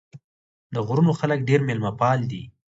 د غرونو خلک ډېر مېلمه پال دي.